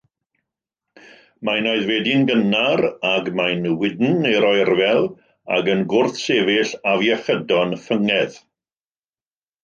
Mae'n aeddfedu'n gynnar, ac mae'n wydn i'r oerfel ac yn gwrthsefyll afiechydon ffyngaidd.